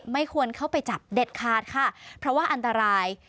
ไม่ควรเข้าไปจับเด็ดขาดค่ะเพราะว่าอันตราย